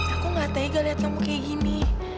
aku gak tega lihat kamu kayak gini